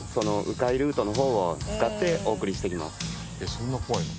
そんな怖いの？